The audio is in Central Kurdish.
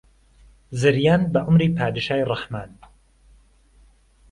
زریان به عومری پادشای ڕهحمان